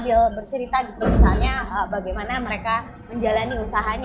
jadi sambil bercerita gitu misalnya bagaimana mereka menjalani uang